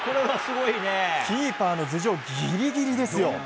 キーパーの頭上ギリギリですよ！